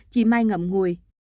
chị mai ngậm ngùi